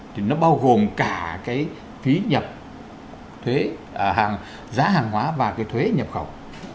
thì nó bao gồm cả cái phí nhập thuế giá hàng hóa và cái thuế nhập khẩu